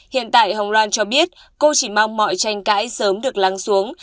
hiện tại hồng loan cho biết cô chỉ mong mọi tranh cãi sớm được lắng xuống